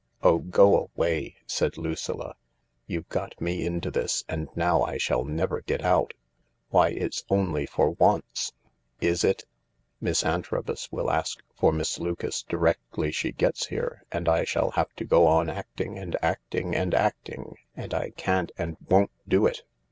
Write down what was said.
" Oh, go away !" said Lucilla, " You've got me into this, and now I shall never get out." " Why, it's only for once !"" Is it ? Miss Antrobus will ask for Miss Lucas directly she gets here, and I shall have to go on acting and acting and acting, and I can't and won't do it.